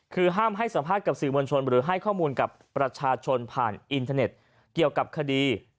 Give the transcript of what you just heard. คือห้ามให้สัมภาษณ์กับสื่อมวลชนหรือให้ข้อมูลกับประชาชนผ่านอินเทอร์เน็ตเกี่ยวกับคดี